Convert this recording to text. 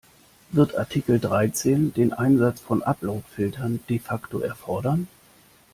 Wird Artikel Dreizehn den Einsatz von Upload-Filtern de facto erfordern?